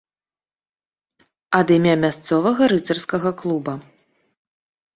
Ад імя мясцовага рыцарскага клуба.